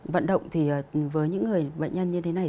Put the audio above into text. vận động thì với những người bệnh nhân như thế này